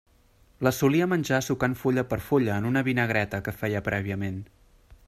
Les solia menjar sucant fulla per fulla en una vinagreta que feia prèviament.